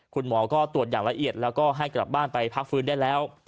คุณหมอก็ตรวจอย่างละเอียดแล้วก็ให้กลับบ้านไปพักฟื้นได้แล้ว